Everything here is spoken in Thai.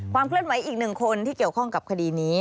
เคลื่อนไหวอีกหนึ่งคนที่เกี่ยวข้องกับคดีนี้